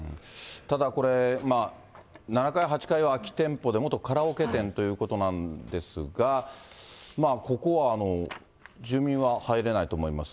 ただこれ、７階８階は空き店舗で元カラオケ店ということなんですが、ここは住民は入れないと思います。